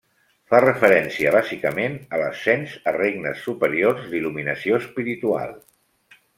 Fa referència bàsicament a l'ascens a regnes superiors d'il·luminació espiritual.